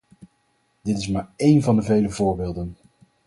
Dit is maar één van de vele voorbeelden.